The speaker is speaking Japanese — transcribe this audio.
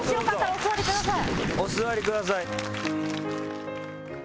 お座りください。